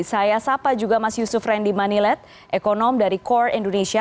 saya sapa juga mas yusuf randy manilet ekonom dari kor indonesia